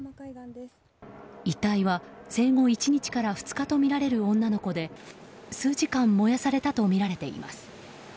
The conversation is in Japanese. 遺体は生後１日から２日とみられる女の子で数時間燃やされたとみられています。